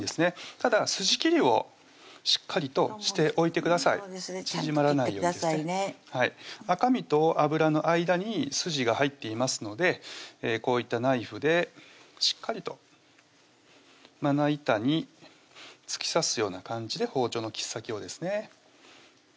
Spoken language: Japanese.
ただ筋切りをしっかりとしておいてください縮まらないようにですね赤身と脂の間に筋が入っていますのでこういったナイフでしっかりとまな板に突き刺すような感じで包丁の切っ先を切っていきます